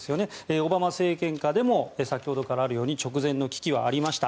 オバマ政権下でも先ほどからあるように直前の危機はありました。